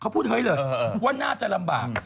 เขาพูดเฮ้ยเลยว่าน่าจะลำบาก